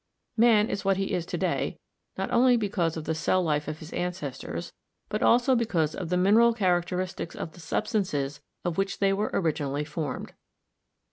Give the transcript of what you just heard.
Man is what he is to day, not only because of the cell life of his ancestors, but also because of the min eral characteristics of the substances of which they were originally formed.